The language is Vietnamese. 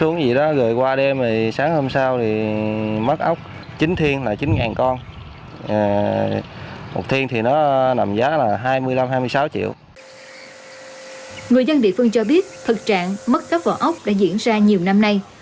người dân địa phương cho biết thực trạng mất cắp vỏ ốc đã diễn ra nhiều năm nay